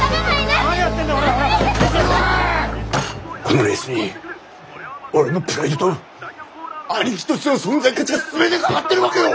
このレースに俺のプライドと兄貴としての存在価値が全てかかってるわけよ！